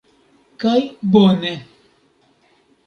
Kaj bone!